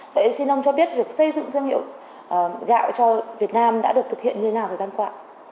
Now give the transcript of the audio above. vậy xin ông cho biết việc xây dựng thương hiệu gạo cho việt nam đã được thực hiện như nào thời gian qua